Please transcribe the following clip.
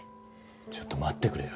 ちょっと待ってくれよ。